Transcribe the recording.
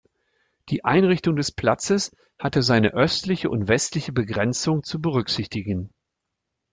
Die Einrichtung des Platzes hatte seine östliche und westliche Begrenzung zu berücksichtigen.